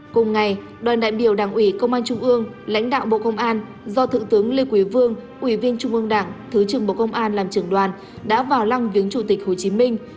cùng ngày đoàn đại biểu đảng ủy công an trung ương lãnh đạo bộ công an do thượng tướng lê quý vương ủy viên trung ương đảng thứ trưởng bộ công an làm trưởng đoàn đã vào lăng viếng chủ tịch hồ chí minh